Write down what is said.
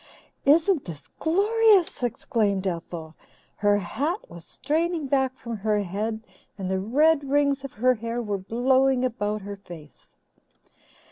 "Isn't this glorious!" exclaimed Ethel. Her hat was straining back from her head and the red rings of her hair were blowing about her face.